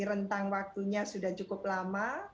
rentang waktunya sudah cukup lama